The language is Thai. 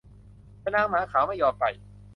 แต่นางหมาขาวไม่ยอมไป